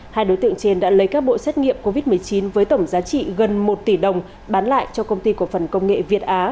hai đối tượng trên đã lấy các bộ xét nghiệm covid một mươi chín với tổng giá trị gần một tỷ đồng bán lại cho công ty cổ phần công nghệ việt á